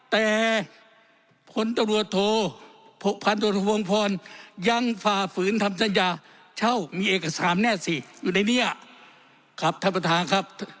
แต่พศ๒๒๖๘ยังฝ่าฝืนทำสัญญาเช่ามีเอกสารแน่สิอยู่ในนี้ครับท่านประธานครับ